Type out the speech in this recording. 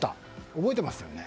覚えてますよね。